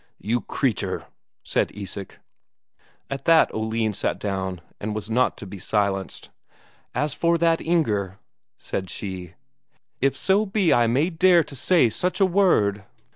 "You creature!" said Isak. At that Oline sat down and was not to be silenced. "As for that Inger," said she, "if so be I may dare to say such a word...."